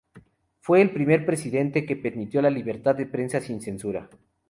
Fue el primer presidente que permitió la libertad de prensa sin censura.